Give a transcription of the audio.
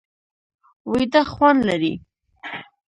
ویده خوند لري